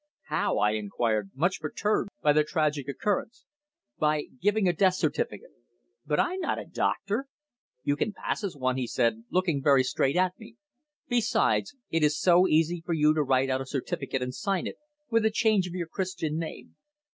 "How?" I inquired, much perturbed by the tragic occurrence. "By giving a death certificate." "But I'm not a doctor!" "You can pass as one," he said, looking very straight at me. "Besides, it is so easy for you to write out a certificate and sign it, with a change of your Christian name.